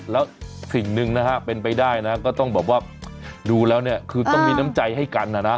แล้วสิ่งหนึ่งนะฮะเป็นไปได้นะก็ต้องแบบว่าดูแล้วเนี่ยคือต้องมีน้ำใจให้กันนะนะ